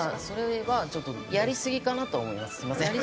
それはちょっとやりすぎかなとは思います。